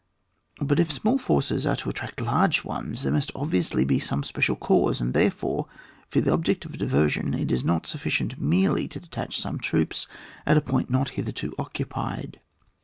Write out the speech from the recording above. But if small forces are to attract large ones, there must obviously be some special cause, aud, therefore, for the object of a diversion it is not sufficient merely to detach some troops to a point not hither to occupied.